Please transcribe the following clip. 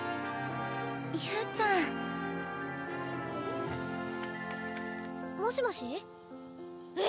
侑ちゃん。もしもし？え